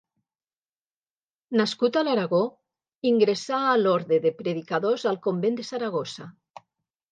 Nascut a l'Aragó, ingressà a l'Orde de Predicadors al convent de Saragossa.